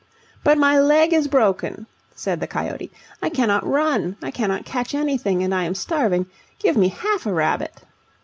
"But my leg is broken," said the coyote; "I cannot run. I cannot catch anything, and I am starving. Give me half a rabbit."